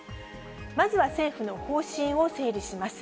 まずは政府の方針を整理します。